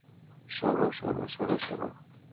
সরো, সরো, সরো, সরো।